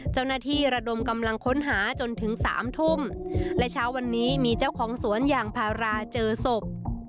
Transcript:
ระดมกำลังค้นหาจนถึงสามทุ่มและเช้าวันนี้มีเจ้าของสวนยางพาราเจอศพ